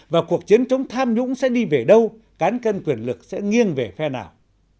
và cuộc chiến chống tham nhũng sẽ đi về đâu cán cân quyền lực sẽ nghiêng về phe nào